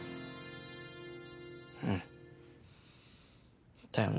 うんだよな。